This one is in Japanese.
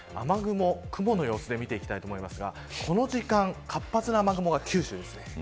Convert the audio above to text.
雲の様子で見ていきたいと思いますがこの時間、活発な雨雲が九州ですね。